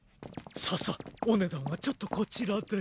ささっおねだんはちょっとこちらで。